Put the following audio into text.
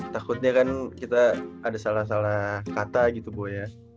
takutnya kan kita ada salah salah kata gitu bu ya